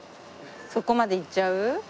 そこまでいっちゃう？